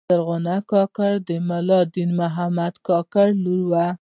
زرغونه کاکړه د ملا دین محمد کاکړ لور وه.